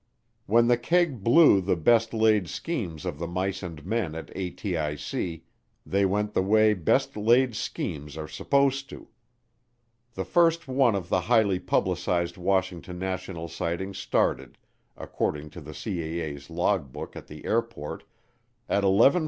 When the keg blew the best laid schemes of the mice and men at ATIC, they went the way best laid schemes are supposed to. The first one of the highly publicized Washington national sightings started, according to the CAA's logbook at the airport, at 11:40P.